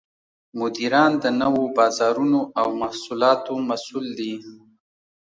مدیران د نوو بازارونو او محصولاتو مسوول دي.